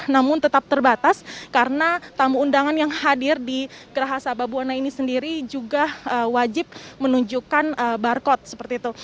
namun tetap terbatas karena tamu undangan yang hadir di geraha sababwana ini sendiri juga wajib menunjukkan barcode seperti itu